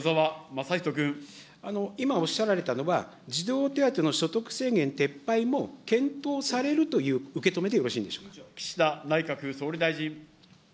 今おっしゃられたのは、児童手当の所得制限撤廃も検討されるという受け止めでよろしいん岸田内閣総理大臣。